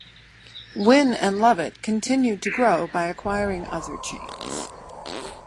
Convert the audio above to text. Winn and Lovett continued to grow by acquiring other chains.